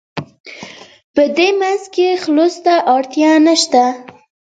په دې منځ کې خلوص ته اړتیا نشته.